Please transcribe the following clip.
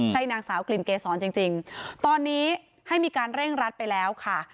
ใช่นางสาวกลิ่นเกษรจริงตอนนี้ให้มีการเร่งรัดไปแล้วค่ะ